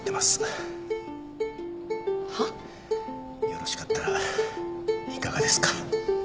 よろしかったらいかがですか？